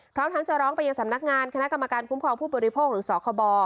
พร้อมทั้งจะร้องไปยังสำนักงานคณะกรรมการคุ้มครองผู้บริโภคหรือสคบ